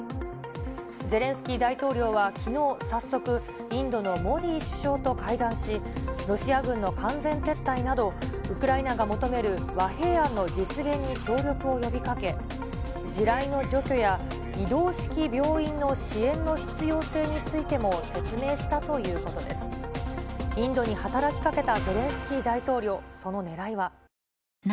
ゼレンスキー大統領はきのう早速、インドのモディ首相と会談し、ロシア軍の完全撤退など、ウクライナが求める和平案の実現に協力を呼びかけ、地雷の除去や移動式病院の支援の必要性についても説明したというＳＯＭＰＯ当たった！